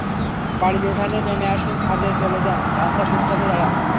বাড়ির উঠোনে নেমে আসুন, ছাদে চলে যান, রাস্তার ফুটপাতে দাঁড়ান!